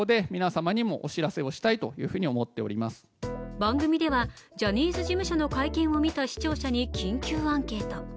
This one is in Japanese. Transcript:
番組ではジャニーズ事務所の会見を見た視聴者に緊急アンケート。